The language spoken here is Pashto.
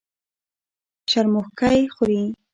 شرموښکۍ خوري.